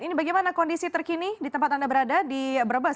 ini bagaimana kondisi terkini di tempat anda berada di brebes